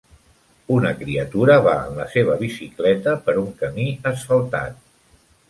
Una criatura va en la seva bicicleta per un camí asfaltat.